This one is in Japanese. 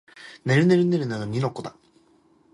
ねるねるねるねの二の粉